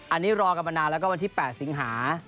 อันนี้รอกันมานานแล้วก็วันที่๘สิงหา